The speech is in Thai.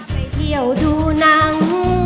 ไปเที่ยวดูหนัง